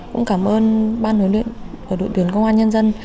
cũng cảm ơn ban huấn luyện đội tuyển công an nhân dân